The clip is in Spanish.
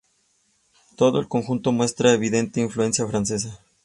Todo el conjunto muestra una evidente influencia francesa.